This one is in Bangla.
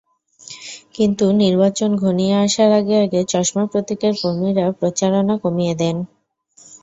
কিন্তু নির্বাচন ঘনিয়ে আসার আগে আগে চশমা প্রতীকের কর্মীরা প্রচারণা কমিয়ে দেন।